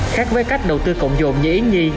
khác với cách đầu tư cộng dụng như yên nhiên